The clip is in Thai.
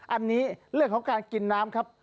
อันนี้เรื่องของการกินน้ำครับ